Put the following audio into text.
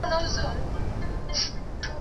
په خپل جنت کي سره دوخونه `